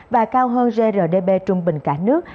và cao hơn grdb trung bình cả nước